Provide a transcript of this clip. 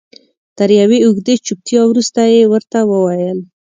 تر یوې اوږدې چوپتیا وروسته یې ورته وویل.